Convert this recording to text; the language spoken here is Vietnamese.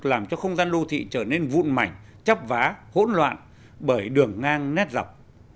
làm cho không gian đô thị trở nên vụn mảnh chấp vá hỗn loạn bởi đường ngang nết dọc